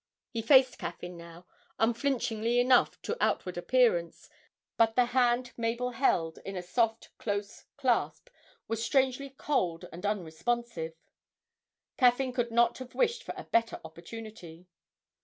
He faced Caffyn now, unflinchingly enough to outward appearance; but the hand Mabel held in a soft close clasp was strangely cold and unresponsive. Caffyn could not have wished for a better opportunity.